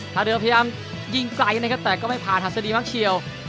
เรือพยายามยิงไกลนะครับแต่ก็ไม่ผ่านหัสดีมักเชียว